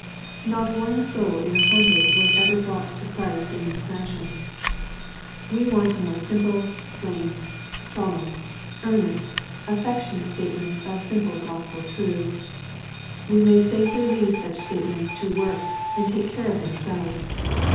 Not one soul in a hundred was ever brought to Christ in this fashion. We want more simple, plain, solemn, earnest, affectionate 864 EXPOSITORY THOUaHTS. Btatements of simple Gospel truths. We may safely leave such statements to work and take care of them* selves.